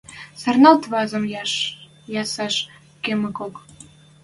Сӓрнӓлт вазеш ясеш кымыкок.